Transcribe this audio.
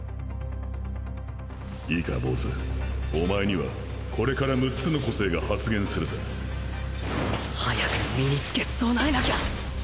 いいか坊主おまえにはこれから６つの個性が発現するさ早く身につけ備えなきゃ！